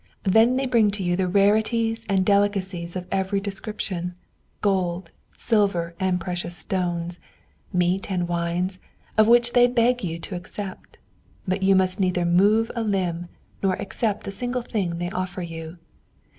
Then they bring to you rarities and delicacies of every description, gold, silver, and precious stones, meats and wines, of which they beg you to accept; but you must neither move a limb nor accept a single thing they offer you.